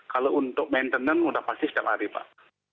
kalau untuk maintenance sudah pasti setiap hari pak